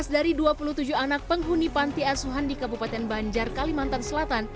tujuh belas dari dua puluh tujuh anak penghuni panti asuhan di kabupaten banjar kalimantan selatan